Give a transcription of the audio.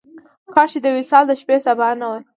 کاش چې د وصال د شپې سبا نه وای.